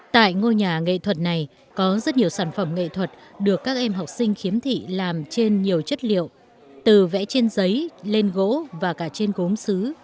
tại ngôi nhà nghệ thuật này có rất nhiều sản phẩm nghệ thuật được các em học sinh khiếm thị làm trên nhiều chất liệu từ vẽ trên giấy lên gỗ và cả trên gốm xứ